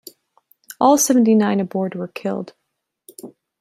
All seventy-nine aboard were killed.